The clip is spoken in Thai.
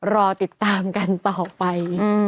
รอติดตามกันต่อไป